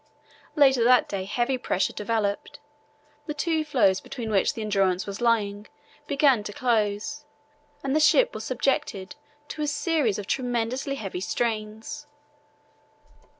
Later that day heavy pressure developed. The two floes between which the Endurance was lying began to close and the ship was subjected to a series of tremendously heavy strains.